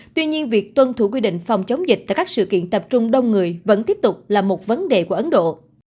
tuy nhiên việc tuân thủ quy định phòng chống dịch tại các sự kiện tập trung đông người vẫn tiếp tục là một vấn đề của ấn độ